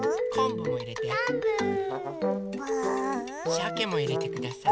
しゃけもいれてください。